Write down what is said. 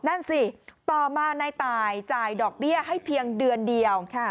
นั่นสิต่อมานายตายจ่ายดอกเบี้ยให้เพียงเดือนเดียว